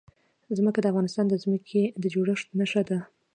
ځمکه د افغانستان د ځمکې د جوړښت نښه ده.